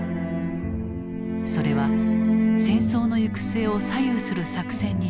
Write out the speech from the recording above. それは戦争の行く末を左右する作戦につながる。